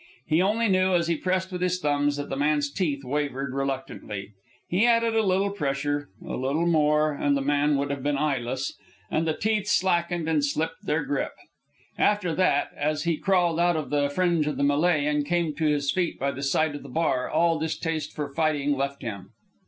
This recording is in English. He only knew, as he pressed with his thumbs, that the man's teeth wavered reluctantly. He added a little pressure (a little more, and the man would have been eyeless), and the teeth slackened and slipped their grip. After that, as he crawled out of the fringe of the melee and came to his feet by the side of the bar, all distaste for fighting left him.